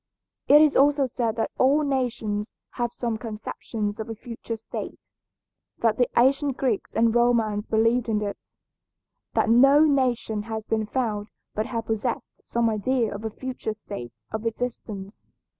It is also said that all nations have some conceptions of a future state, that the ancient Greeks and Romans believed in it, that no nation has been found but have possessed some idea of a future state of existence.